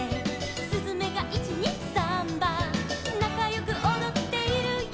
「すずめが１・２・サンバ」「なかよくおどっているよ」